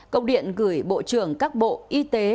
công điện gửi bộ trưởng các bộ y tế